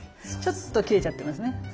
ちょっと切れちゃってますね。